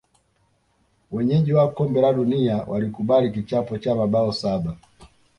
wenyeji wa kombe la dunia walikubali kichapo cha mabao saba